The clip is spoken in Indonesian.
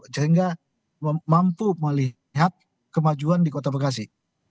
sehingga mampu melihat kemajuan di kota bekasi